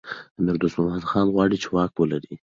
امیر دوست محمد خان غواړي چي واک ولري.